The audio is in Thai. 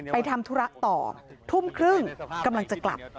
ทำธุระต่อทุ่มครึ่งกำลังจะกลับ